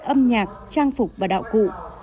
âm nhạc trang phục và đạo cụ